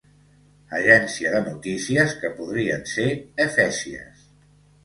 Agència de notícies que podrien ser efèsies.